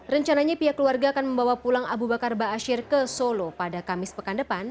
rencananya pihak keluarga akan membawa pulang abu bakar ⁇ baasyir ⁇ ke solo pada kamis pekan depan